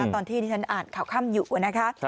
ตอนที่ที่ฉันอ่านข่าวค่ำอยู่นะคะ